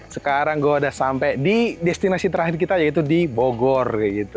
sekarang gue udah sampai di destinasi terakhir kita yaitu di bogor